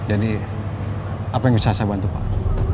jadi apa yang bisa saya bantu pak